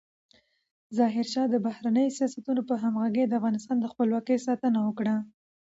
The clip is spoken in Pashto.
ظاهرشاه د بهرنیو سیاستونو په همغږۍ د افغانستان د خپلواکۍ ساتنه وکړه.